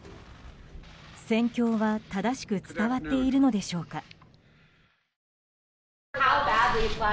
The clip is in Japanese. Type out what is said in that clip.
戦況は、正しく伝わっているのでしょうか。